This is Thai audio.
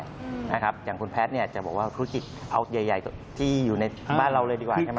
อย่างคุณแพทย์เนี่ยจะบอกว่าธุรกิจเอาใหญ่ที่อยู่ในบ้านเราเลยดีกว่าใช่ไหม